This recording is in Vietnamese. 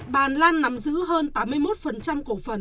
bà lan nắm giữ hơn tám mươi một cổ phần